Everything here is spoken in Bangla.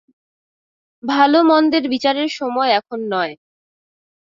ভাল-মন্দের বিচারের সময় এখন নয়।